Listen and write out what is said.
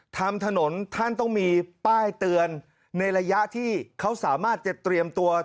ทำถนนท่านต้องมีป้ายเตือนในระยะที่เขาสามารถจะเตรียมตัว